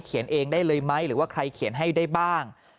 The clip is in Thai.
เองได้เลยไหมหรือว่าใครเขียนให้ได้บ้าง